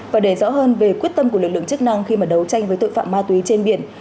và để rõ hơn về quyết tâm của lực lượng chức năng khi mà đấu tranh với tội phạm ma túy trên biển